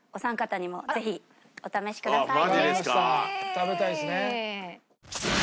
食べたいですね。